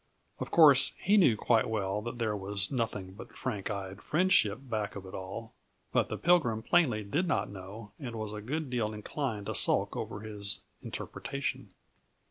Of course, he knew quite well that there was nothing but frank eyed friendship back of it all; but the Pilgrim plainly did not know and was a good deal inclined to sulk over his interpretation.